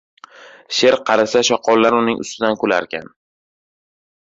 • Sher qarisa shoqollar uning ustidan kularkan.